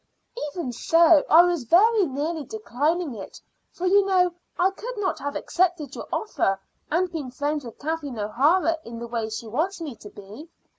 "Even so, I was very nearly declining it; for you know I could not have accepted your offer and been friends with Kathleen O'Hara in the way she wants me to be.